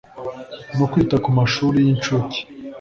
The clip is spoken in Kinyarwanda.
no kwita ku mashuli y inshuke